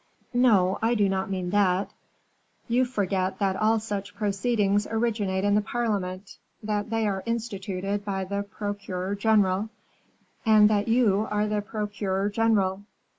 "No, I do not mean that; you forget that all such proceedings originate in the parliament, that they are instituted by the procureur general, and that you are the procureur general.